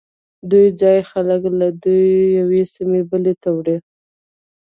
دوی ځایی خلک له یوې سیمې بلې ته وړي